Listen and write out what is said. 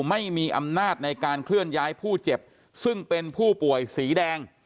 ไม่มีอำนาจในการเคลื่อนย้ายผู้เจ็บซึ่งเป็นผู้ป่วยสีแดง